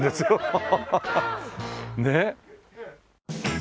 ハハハハッねえ。